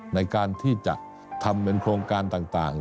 ในการที่จะทำเป็นโครงการต่าง